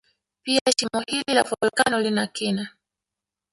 Pia shimo hili la volkeno lina kina